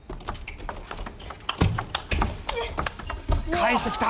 返してきた！